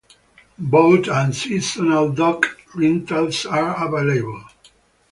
Boat and seasonal dock rentals are available.